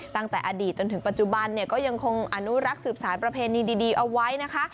ตั้งแต่อดีตจนถึงปัจจุบันเนี่ยก็ยังคงอนุรักษ์สืบสารประเพณีดีเอาไว้นะคะ